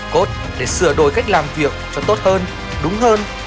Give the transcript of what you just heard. cốt để sửa đổi cách làm việc cho tốt hơn đúng hơn